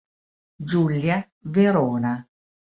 Giulia Verona